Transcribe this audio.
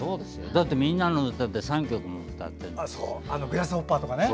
だって「みんなのうた」で３曲も歌っているから。